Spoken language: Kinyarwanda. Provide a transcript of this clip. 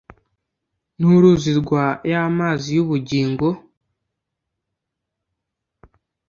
N’ uruzi rwa ya mazi y’ ubugingo